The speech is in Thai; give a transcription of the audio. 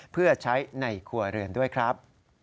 เพื่อใช้ในครัวเรือนด้วยครับ